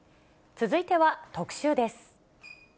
続いては特集です。